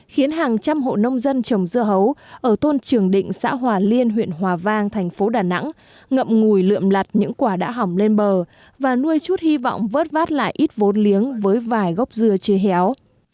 khiến hàng trăm hộ nông dân trồng dưa hấu ở thôn trường định xã hòa liên huyện hòa vang thành phố đà nẵng ngậm ngùi lượm lặt những quả đã hỏng lên bờ và nuôi chút hy vọng vớt vát lại ít vốn liếng với vài gốc dưa chưa héo